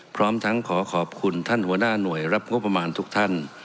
พร้อมทั้งขอขอบคุณท่านหัวหน้าหน่วยรับงบประมาณทุกท่าน